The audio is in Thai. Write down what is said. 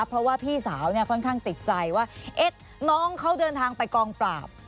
เพราะว่าพี่สาวเนี่ยค่อนข้างติดใจว่าน้องเขาเดินทางไปกองปราบ